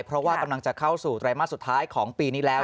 เพราะว่ากำลังจะเข้าสู่ไตรมาสสุดท้ายของปีนี้แล้ว